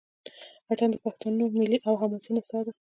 اټن د پښتنو ملي او حماسي نڅا ده.